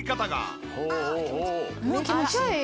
もう気持ちいい。